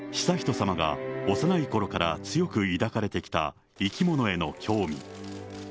悠仁さまが幼いころから強く抱かれてきた生き物への興味。